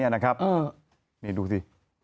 นี่ดูสิ